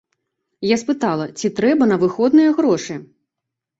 Я спытала, ці трэба на выходныя грошы?